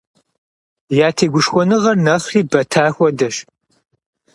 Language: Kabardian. Я тегушхуэныгъэр нэхъри бэта хуэдэщ.